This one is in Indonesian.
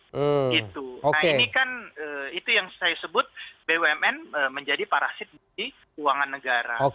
nah ini kan itu yang saya sebut bumn menjadi parasit bagi keuangan negara